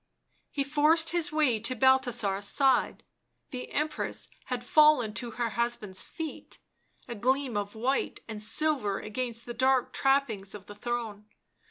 He forced his way to Balthasar's side. The Empress had fallen to her husband's feet, a gleam of white and silver against the dark trappings of the throne.